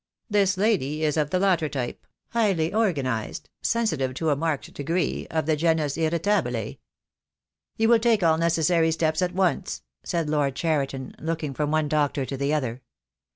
This lady is of the latter type, highly organized, sensitive to a marked degree, of the genus irritabile" "You will take all necessary steps at once?" said Lord Cheriton, looking from one doctor to the other.